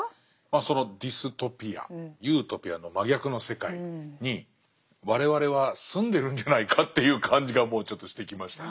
そのディストピアユートピアの真逆の世界に我々は住んでるんじゃないかという感じがもうちょっとしてきましたね。